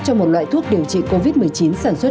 cho một loại thuốc điều trị covid một mươi chín sản xuất